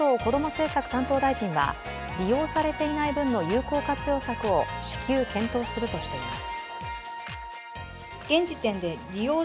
政策担当大臣は利用されていない分の有効活用策を至急検討するとしています。